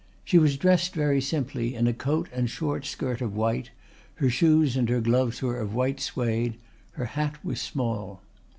She was dressed very simply in a coat and short skirt of white, her shoes and her gloves were of white suede, her hat was small.